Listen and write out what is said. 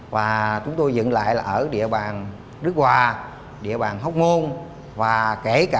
và tụi dựng lại ở địa bàng